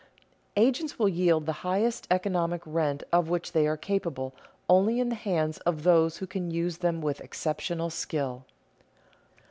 _ Agents will yield the highest economic rent of which they are capable only in the hands of those who can use them with exceptional skill.